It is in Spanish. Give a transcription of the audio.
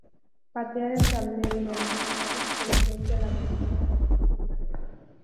Patear el tablero y la necesidad de supervivencia la devolvieron a la escritura.